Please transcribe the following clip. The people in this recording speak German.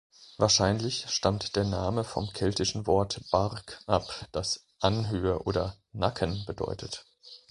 Wahrscheinlich stammt der Name vom keltischen Wort "barg" ab, das „Anhöhe“ oder „Nacken“ bedeutet.